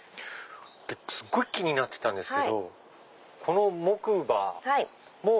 すっごい気になってたんですけどこの木馬も。